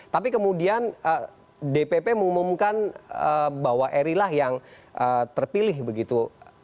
tapi kemudian dpp mengumumkan bahwa eri lah yang terpilih begitu